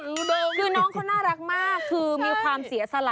คือน้องเขาน่ารักมากคือมีความเสียสละ